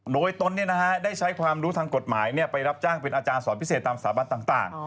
โดยตนได้ใช้ความรู้ทางกฎหมายไปรับจ้างเป็นอาจารย์สอนพิเศษตามสถาบันต่าง